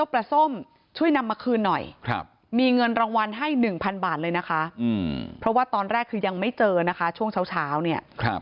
เพราะว่าตอนแรกคือยังไม่เจองาช่วงเช้า